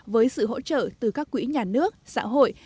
với sự hỗ trợ từ các quỹ nhà nước xã hội